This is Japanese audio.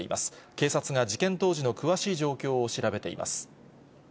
警察が事件当時の詳しい状況を調べています。